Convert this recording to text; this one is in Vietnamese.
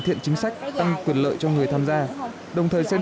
thì mình sẽ tham gia bảo hiểm xã hội tự nguyện